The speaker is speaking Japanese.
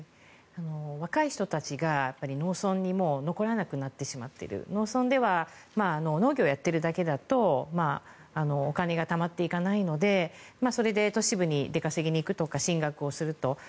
若い人たちが農村に残らなくなってしまっている農村では農業をやっているだけだとお金がたまっていかないのでそれで都市部に出稼ぎに行くとか進学をすると。